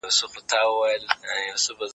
خپل تمرکز یوازي په خپلو زده کړو وساتئ.